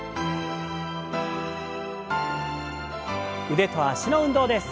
腕と脚の運動です。